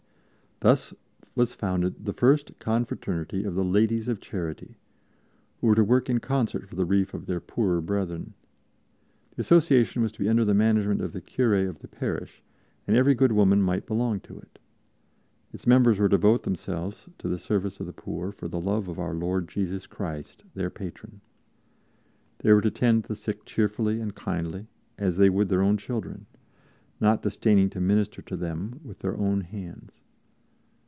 Thus was founded the first confraternity of the "Ladies of Charity," who were to work in concert for the relief of their poorer brethren. The association was to be under the management of the curé of the parish, and every good woman might belong to it. Its members were to devote themselves to the service of the poor for the love of Our Lord Jesus Christ, their Patron. They were to tend the sick cheerfully and kindly, as they would their own children, not disdaining to minister to them with their own hands.